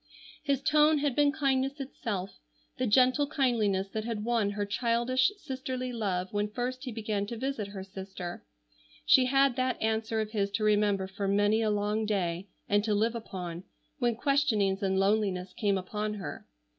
His tone had been kindness itself, the gentle kindliness that had won her childish sisterly love when first he began to visit her sister. She had that answer of his to remember for many a long day, and to live upon, when questionings and loneliness came upon her.